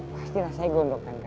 pasti rasanya gondok tante